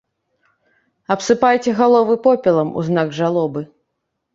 Абсыпайце галовы попелам у знак жалобы.